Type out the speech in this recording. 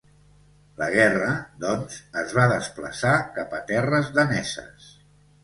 La guerra, doncs, es va desplaçar cap a terres daneses.